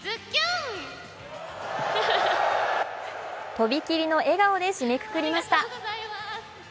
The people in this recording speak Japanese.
とびきりの笑顔で締めくくりました。